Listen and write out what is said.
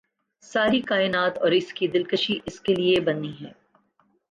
ساری کائنات اور اس کی دلکشی اس کے لیے بنی ہے